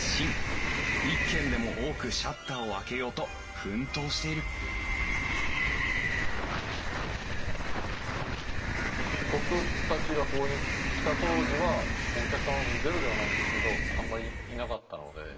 一軒でも多くシャッターを開けようと奮闘している僕たちがここに来た当時はお客さんゼロではないんですけどあんまりいなかったので。